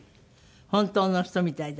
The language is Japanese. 本当の人みたいだ。